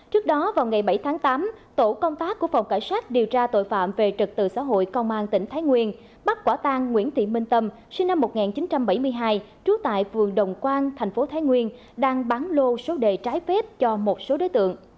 trước đó vào ngày bảy tháng tám tổ công tác của phòng cảnh sát điều tra tội phạm về trật tự xã hội công an tỉnh thái nguyên bắt quả tang nguyễn thị minh tâm sinh năm một nghìn chín trăm bảy mươi hai trú tại phường đồng quang thành phố thái nguyên đang bán lô số đề trái phép cho một số đối tượng